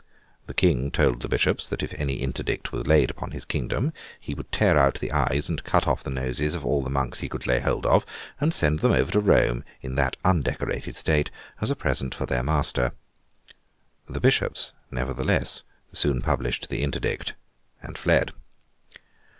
The King told the bishops that if any Interdict were laid upon his kingdom, he would tear out the eyes and cut off the noses of all the monks he could lay hold of, and send them over to Rome in that undecorated state as a present for their master. The bishops, nevertheless, soon published the Interdict, and fled.